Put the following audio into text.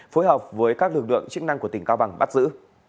phối hợp với các lực lượng chức năng của tỉnh cao bằng bắt giữ